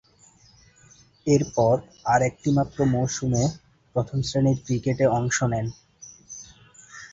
এরপর আর একটিমাত্র মৌসুমে প্রথম-শ্রেণীর ক্রিকেটে অংশ নেন।